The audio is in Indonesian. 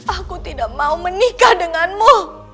aku tidak mau menikah denganmu